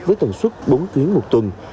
với tầng suất bốn chuyến một tuần